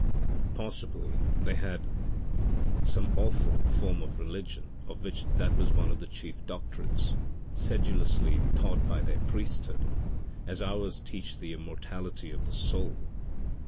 Possibly they had some awful form of religion of which that was one of the chief doctrines, sedulously taught by their priesthood, as ours teach the immortality of the soul.